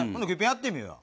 やってみよう。